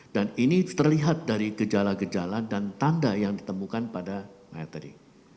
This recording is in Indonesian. dan ini terlihat dari gejala gejala dan tanda yang ditemukan pada mayat tadi